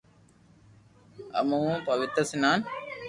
اومون پوتير سنان -